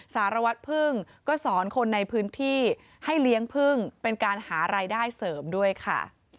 สารวัตรพึ่งก็สอนคนในพื้นที่ให้เลี้ยงพึ่งเป็นการหารายได้เสริมด้วยค่ะ